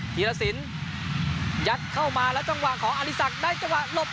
ธีรสินยัดเข้ามาแล้วจังหวะของอริสักได้จังหวะหลบ